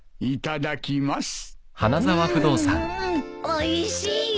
おいしい。